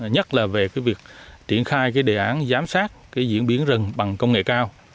nhất là về cái việc triển khai cái đề án giám sát cái diễn biến rừng bằng công nghệ cao